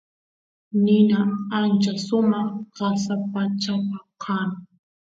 nina ancha sumaq qasa pachapa kan